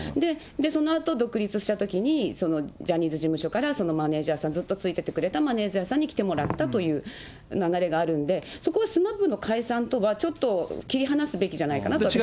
そのあと独立したときに、ジャニーズ事務所からマネージャーさん、ずっとついててくれたマネージャーさんに来てもらったという流れがあるので、そこはＳＭＡＰの解散とは、ちょっと切り離すべきじゃないかと私は思います。